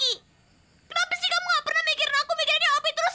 kenapa sih kamu gak pernah mikirin aku mikirin opi terus